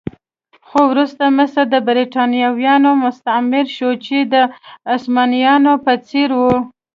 خو وروسته مصر د برېټانویانو مستعمره شو چې د عثمانيانو په څېر و.